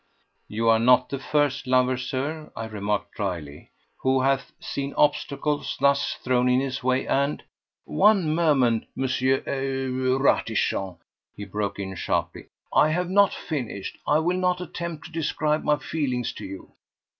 "You are not the first lover, Sir," I remarked drily, "who hath seen obstacles thus thrown in his way, and—" "One moment, M.—er—Ratichon," he broke in sharply. "I have not finished. I will not attempt to describe my feelings to you.